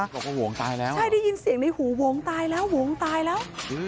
บอกว่าวงตายแล้วใช่ได้ยินเสียงในหูหวงตายแล้ววงตายแล้ว